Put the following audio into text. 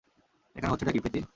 এখানে হচ্ছেটা কী, প্রীতি?